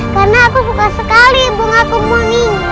karena aku suka sekali bunga kemuning